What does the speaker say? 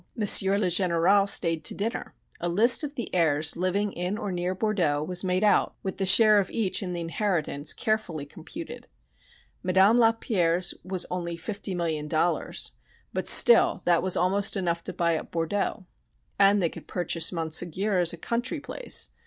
M. le Général stayed to dinner. A list of the heirs living in or near Bordeaux was made out with the share of each in the inheritance carefully computed. Madame Lapierre's was only fifty million dollars but still that was almost enough to buy up Bordeaux. And they could purchase Monségur as a country place.